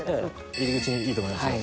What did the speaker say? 入り口にいいと思いますよ。